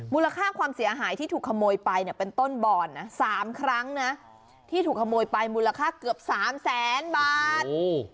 มูลค่าความเสียหายที่ถูกขโมยไปเนี่ยเป็นต้นบ่อนนะ๓ครั้งนะที่ถูกขโมยไปมูลค่าเกือบสามแสนบาท